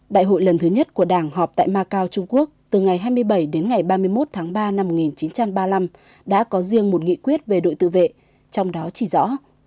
đại hội lần thứ nhất của đảng họp tại macau trung quốc từ ngày hai mươi bảy đến ngày ba mươi một tháng ba năm một nghìn chín trăm ba mươi năm đã có riêng một nghị quyết về đội tự vệ trong đó chỉ rõ